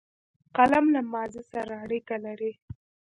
قلم له ماضي سره اړیکه لري